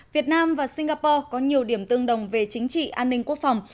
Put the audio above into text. việt nam và singapore có nhiều điểm tương đồng về chính trị an ninh quốc phòng